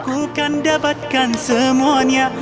aku kan dapatkan semuanya